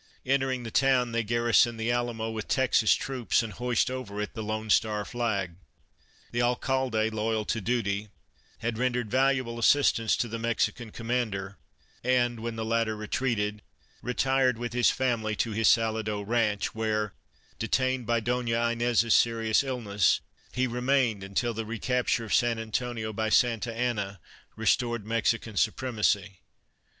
Entering the town, they garrison the Alamo with Texas troops and hoist over it the Lone Star Flag. The Alcalde, loyal to duty, had rendered valuable assistance to the Mexican commander and, when the latter retreated, retired with Christmas Under Three Hags his family to his Salado ranch where, detained by Donna Inez's serious illness, he remained until the recapture of San Antonio by Santa Anna restored Mexican supremacy.